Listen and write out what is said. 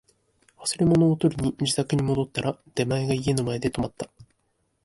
忘れ物を取りに自宅に戻ったら、出前が家の前で止まった